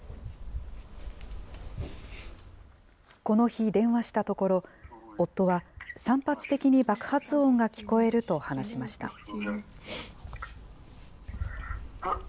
この日、電話したところ、夫は、散発的に爆発音が聞こえると話しました。